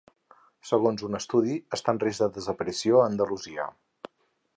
Segons un estudi, està en risc de desaparició a Andalusia.